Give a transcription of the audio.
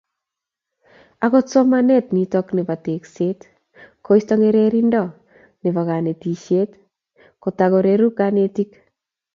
Akot somanet nito bo tekset koisto ngerindo nebo kanetisiet, kotako reru kanetik.